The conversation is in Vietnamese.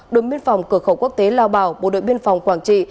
đồn biên phòng cửa khẩu quốc tế lào bảo bộ đội biên phòng quảng trị